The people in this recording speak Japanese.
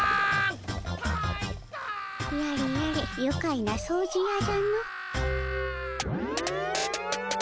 やれやれゆかいな掃除やじゃの。